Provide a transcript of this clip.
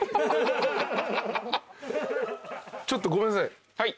ちょっとごめんなさい。